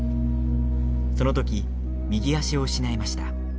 その時、右足を失いました。